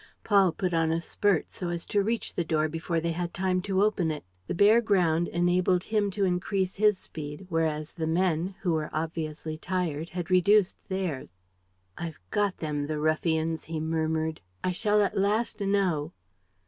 Paul put on a spurt so as to reach the door before they had time to open it. The bare ground enabled him to increase his speed, whereas the men, who were obviously tired, had reduced theirs. "I've got them, the ruffians!" he murmured. "I shall at last know